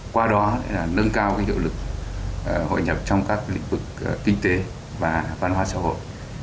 qua đó là nâng cao hiệu lực hội nhập trong các lĩnh vực chính trị an ninh quốc phòng